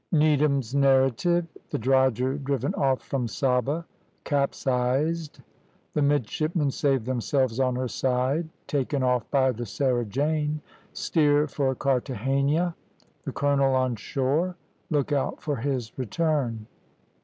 NEEDHAM'S NARRATIVE THE DROGHER DRIVEN OFF FROM SABA CAPSIZED THE MIDSHIPMEN SAVE THEMSELVES ON HER SIDE TAKEN OFF BY THE SARAH JANE STEER FOR CARTHAGENA THE COLONEL ON SHORE LOOK OUT FOR HIS RETURN.